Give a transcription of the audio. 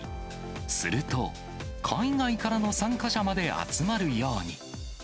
すると、海外からの参加者まで集まるように。